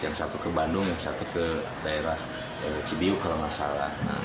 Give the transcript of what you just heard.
yang satu ke bandung yang satu ke daerah cibiu kalau nggak salah